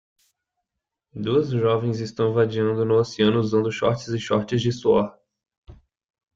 Duas jovens estão vadeando no oceano usando shorts e shorts de suor.